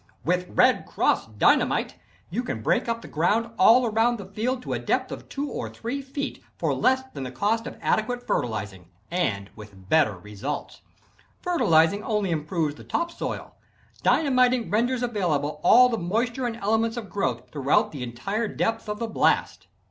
With "Red Cross" Dynamite you can break up the ground all over the field to a depth of two or three feet, for less than the cost of adequate fertilizing, and with better results. Fertilizing only improves the top soil. Dynamiting renders available all the moisture and elements of growth throughout the entire depth of the blast.